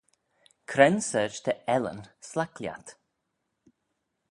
Cre'n sorçh dy ellyn s'laik lhiat?